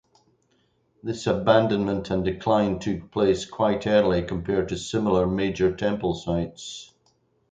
This abandonment and decline took place quite early compared to similar major temple sites.